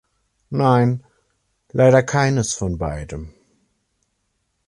Nein, leider keines von beidem.